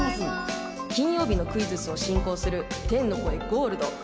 金曜日のクイズッスを進行する天の声ゴールド。